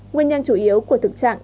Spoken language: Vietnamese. nguyên nhân chủ yếu của thực trạng